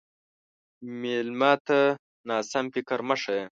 مېلمه ته ناسم فکر مه ښیه.